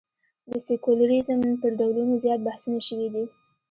د سیکولریزم پر ډولونو زیات بحثونه شوي دي.